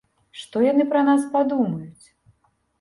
Што яны пра нас падумаюць?